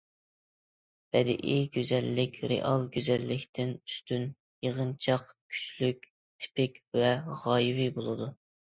بەدىئىي گۈزەللىك رېئال گۈزەللىكتىن ئۈستۈن، يىغىنچاق، كۈچلۈك، تىپىك ۋە غايىۋى بولىدۇ.